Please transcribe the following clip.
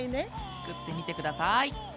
つくってみて下さい！